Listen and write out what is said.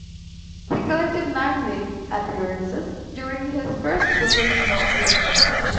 He collected nine league appearances during his first professional season.